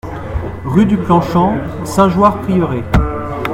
Rue du Plan Champ, Saint-Jeoire-Prieuré